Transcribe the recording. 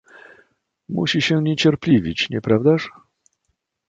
"Musi się niecierpliwić, nie prawdaż?"